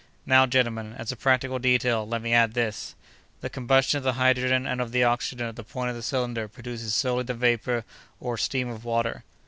"Now, gentlemen, as a practical detail, let me add this: "The combustion of the hydrogen and of the oxygen at the point of the cylinder produces solely the vapor or steam of water.